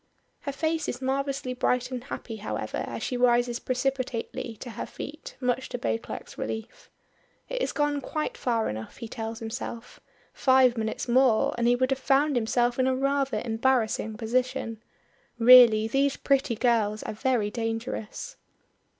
Her face is marvelously bright and happy, however, as she rises precipitately to her feet, much to Beauclerk's relief. It has gone quite far enough he tells himself five minutes more and he would have found himself in a rather embarrassing position. Really these pretty girls are very dangerous.